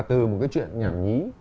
từ một cái chuyện nhảm nhí